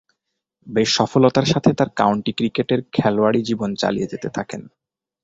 বেশ সফলতার সাথে তার কাউন্টি ক্রিকেটের খেলোয়াড়ী জীবন চালিয়ে যেতে থাকেন।